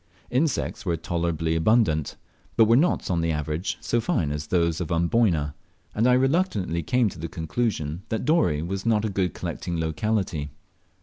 Insects were tolerably abundant, but were not on the average so fine as those of Amboyna, and I reluctantly came to the conclusion that Dorey was not a good collecting locality.